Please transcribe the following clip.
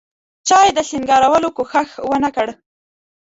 چا یې د سینګارولو کوښښ ونکړ.